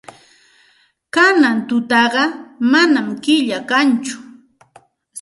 Kanan tutaqa manam killa kanchu.